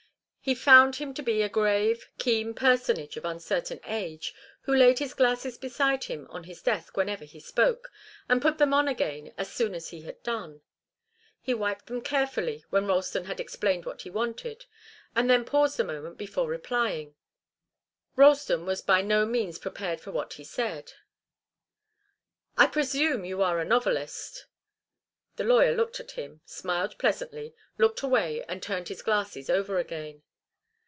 He found him to be a grave, keen personage of uncertain age, who laid his glasses beside him on his desk whenever he spoke, and put them on again as soon as he had done. He wiped them carefully when Ralston had explained what he wanted, and then paused a moment before replying. Ralston was by no means prepared for what he said. "I presume you are a novelist." The lawyer looked at him, smiled pleasantly, looked away and turned his glasses over again.